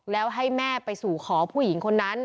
แล้วให้แม่ไปสู่ขอผู้หญิงคนนั้น